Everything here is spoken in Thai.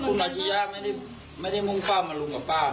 คุณอาชียะไม่ได้มุ่งเป้ามารุมกับป้า